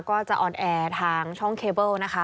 ก็จะออนแอร์ทางช่องเคเบิลนะคะ